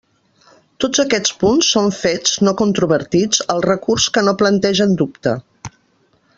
Tots aquests punts són fets no controvertits al recurs que no plantegen dubte.